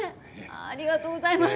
ありがとうございます。